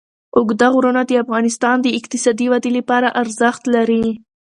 اوږده غرونه د افغانستان د اقتصادي ودې لپاره ارزښت لري.